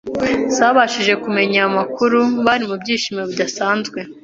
zabashije kumenya aya makuru, bari mu byishimo bidasanzwe